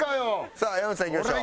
さあ山内さんいきましょう。